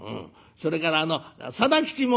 「それからあの定吉も」。